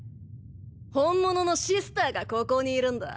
本物のシスターがここにいるんだ。